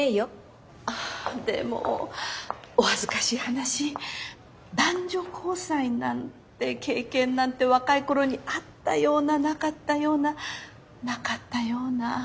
でもお恥ずかしい話男女交際なんて経験なんて若い頃にあったようななかったようななかったような。